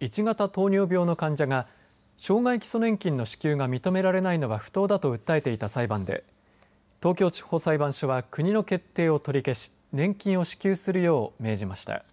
１型糖尿病の患者が障害基礎年金の支給が認められないのは不当だと訴えていた裁判で東京地方裁判所は国の決定を取り消し年金を支給するよう命じました。